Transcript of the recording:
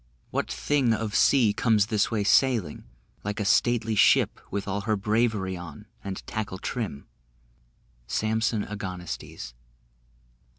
What thing of sea Comes this way sailing, Like a stately ship With all her bravery on, and tackle trim? SAMSON AGONISTES.